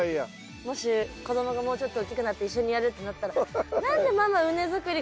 もし子供がもうちょっと大きくなって一緒にやるってなったら何でママ畝づくり